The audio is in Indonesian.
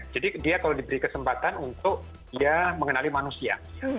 jadi dia kalau diberi kesempatan untuk dia mengenali manusia